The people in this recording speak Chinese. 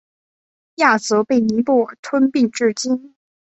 亚泽被尼泊尔吞并至今。